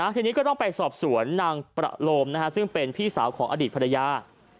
ทีนี้ก็ต้องไปสอบสวนนางประโลมซึ่งเป็นพี่สาวของอดีตภรรยา